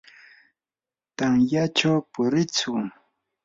tamyachaw puriitsu.